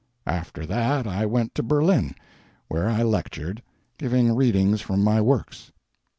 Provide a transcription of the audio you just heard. After that I went to Berlin, where I lectured, giving readings from my works.